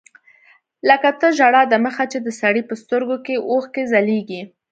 لکه تر ژړا د مخه چې د سړي په سترګو کښې اوښکې ځلېږي.